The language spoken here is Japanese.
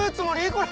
これ。